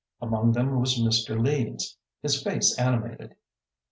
Among them was Mr. Leeds, his face animated.